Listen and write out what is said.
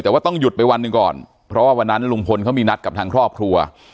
แต่ว่าต้องหยุดไปวันหนึ่งก่อนเพราะว่าวันนั้นลุงพลเขามีนัดกับทางครอบครัว